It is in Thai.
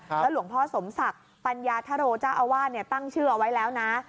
แล้วหลวงพ่อสมศักดิ์ปัญญาธโรเจ้าอาวาสตั้งชื่อเอาไว้แล้วนะ